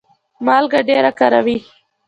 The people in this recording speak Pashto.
مالګه ډیره کاروئ؟